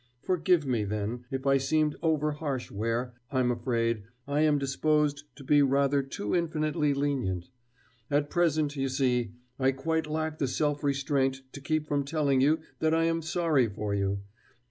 Forgive me, then, if I seemed over harsh where, I'm afraid, I am disposed to be rather too infinitely lenient. At present, you see, I quite lack the self restraint to keep from telling you that I am sorry for you....